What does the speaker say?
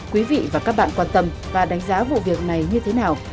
quý vị và các bạn quan tâm và đánh giá vụ việc này như thế nào